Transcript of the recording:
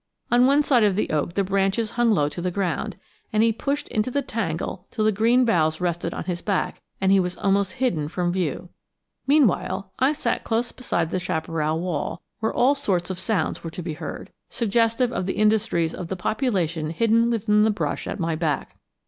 On one side of the oak the branches hung low to the ground, and he pushed into the tangle till the green boughs rested on his back and he was almost hidden from view. Meanwhile I sat close beside the chaparral wall, where all sorts of sounds were to be heard, suggestive of the industries of the population hidden within the brush at my back.